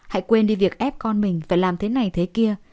hãy quên đi việc ép con mình phải làm thế này thế kia